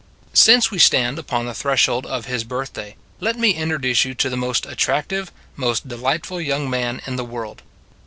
SINCE we stand upon the threshold of His birthday, let me introduce you to the most attractive, most delightful young man in the world.